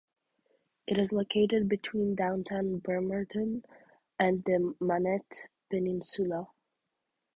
It is located between downtown Bremerton and the Manette Peninsula.